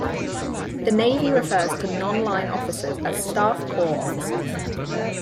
The Navy refers to non-line officers as Staff Corps officers.